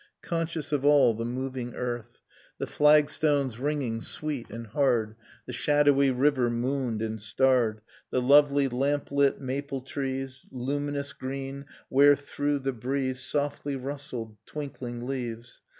Conscious of all the moving earth, — The flagstones ringing sweet and hard. The shadowy river mooned and starred, The lovely lamplit maple trees, Luminous green, wherethrough the breeze Softly rustled, twinkling leaves.